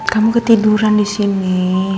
kamu ketiduran disini